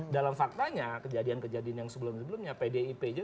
dalam faktanya kejadian kejadian yang sebelumnya pdip juga kehabisan narasumber